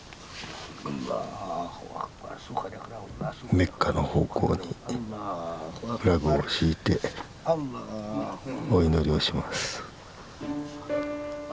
メッカの方向にラグを敷いてお祈りをします。